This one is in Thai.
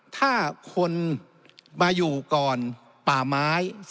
ถ้าคนมาอยู่ก่อนป่าไม้